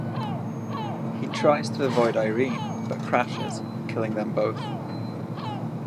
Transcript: He tries to avoid Irene but crashes, killing them both.